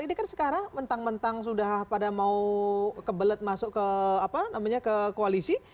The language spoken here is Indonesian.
ini kan sekarang mentang mentang sudah pada mau kebelet masuk ke koalisi